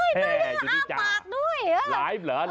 แพร่อยู่ดีจ้าแพร่อ้าปากด้วย